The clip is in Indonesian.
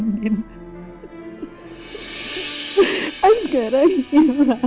dan sekarang ini